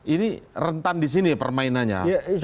ini rentan disini permainannya